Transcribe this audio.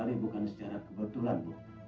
ini sama sekali bukan secara kebetulan bu